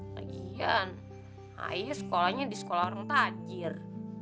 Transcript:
lagian ayah sekolahnya di sekolah orang tajir